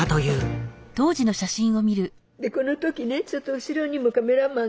この時ねちょっと後ろにもカメラマンがなぜか。